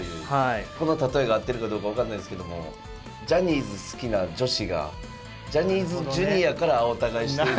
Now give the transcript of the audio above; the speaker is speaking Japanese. この例えが合ってるかどうか分かんないですけどもジャニーズ好きな女子がジャニーズＪｒ．から青田買いしている。